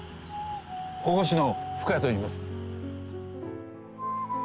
保護司の深谷といいます。